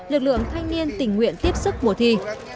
lực lượng thanh niên tình nguyện tiếp sức mùa thi